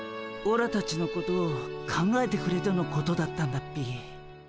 オラたちのことを考えてくれてのことだったんだっピィ。